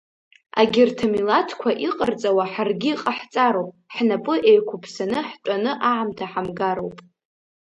Агьырҭ амилаҭқәа иҟарҵауа ҳаргьы иҟаҳҵароуп, ҳнапы еиқәыԥсаны ҳтәаны аамҭа ҳамгароуп.